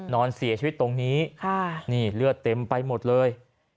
นอนเสียชีวิตตรงนี้นี่เลือดเต็มไปหมดเลย